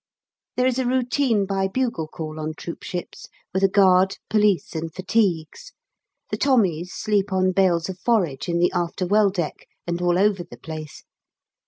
There is a routine by bugle call on troopships, with a guard, police, and fatigues. The Tommies sleep on bales of forage in the after well deck and all over the place.